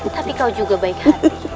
tapi kau juga baik hati